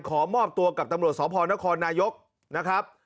ขอมอบตัวกับตำรวจสพนครนายกนะครับ